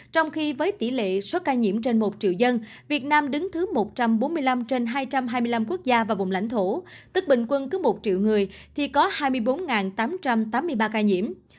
trong khi với tỷ lệ số ca nhiễm trên một triệu dân việt nam đứng thứ một trăm bốn mươi năm trên hai trăm hai mươi năm quốc gia và vùng lãnh thổ tức bình quân cứ một triệu người thì có hai mươi bốn tám trăm tám mươi ba ca nhiễm